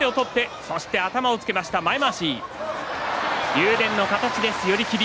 竜電の形です、寄り切り。